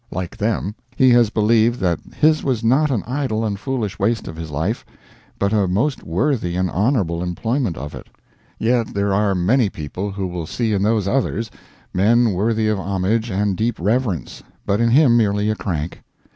Like them, he has believed that his was not an idle and foolish waste of his life, but a most worthy and honorable employment of it. Yet, there are many people who will see in those others, men worthy of homage and deep reverence, but in him merely a crank.